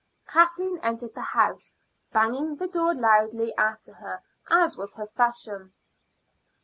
Kathleen entered the house, banging the door loudly after her, as was her fashion.